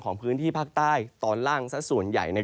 พื้นที่ภาคใต้ตอนล่างสักส่วนใหญ่